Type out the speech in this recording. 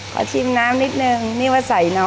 ขอชิมน้ำนิดนึงนี่ว่าใส่น้อยแล้ว